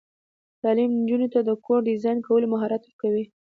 تعلیم نجونو ته د کور ډیزاین کولو مهارت ورکوي.